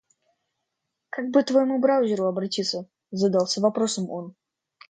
«Как бы к твоему браузеру обратиться?» — задался вопросом он.